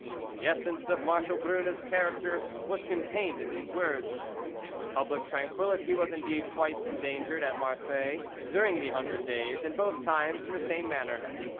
"The essence of Marshal Brune's character was contained in these words. "Public tranquillity was indeed twice endangered at Marseilles during the Hundred Days, and both times in the same manner.